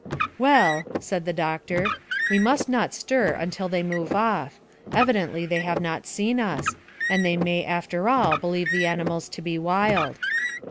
"Well," said the doctor, "we must not stir until they move off. They evidently have not seen us, and they may after all believe the animals to be wild."